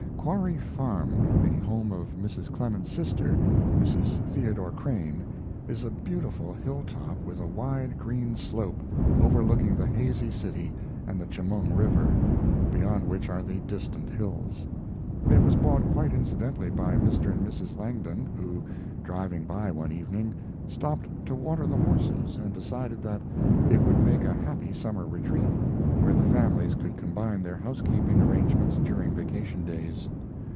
Quarry Farm, the home of Mrs. Clemens's sister, Mrs. Theodore Crane, is a beautiful hilltop, with a wide green slope, overlooking the hazy city and the Chemung River, beyond which are the distant hills. It was bought quite incidentally by Mr. and Mrs. Langdon, who, driving by one evening, stopped to water the horses and decided that it would make a happy summer retreat, where the families could combine their housekeeping arrangements during vacation days.